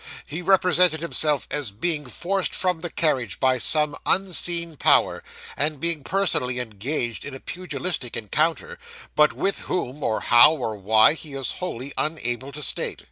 He represents himself as being forced from the carriage by some unseen power, and being personally engaged in a pugilistic encounter; but with whom, or how, or why, he is wholly unable to state.